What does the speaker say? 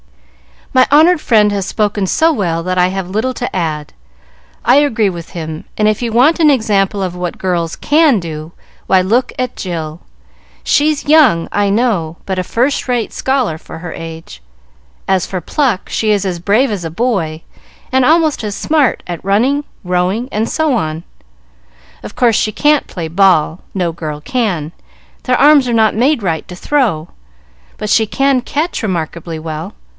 "My honored friend has spoken so well that I have little to add. I agree with him, and if you want an example of what girls can do, why, look at Jill. She's young, I know, but a first rate scholar for her age. As for pluck, she is as brave as a boy, and almost as smart at running, rowing, and so on. Of course, she can't play ball no girl can; their arms are not made right to throw but she can catch remarkably well.